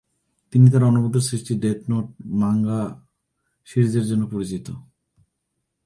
তিনি তার অনবদ্য সৃষ্টি ডেথ নোট মাঙ্গা সিরিজের জন্য পরিচিত।